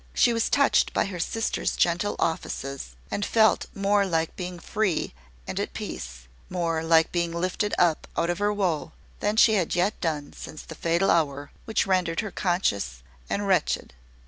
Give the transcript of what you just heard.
She was touched by her sister's gentle offices, and felt more like being free and at peace, more like being lifted up out of her woe, than she had yet done since the fatal hour which rendered her conscious and wretched.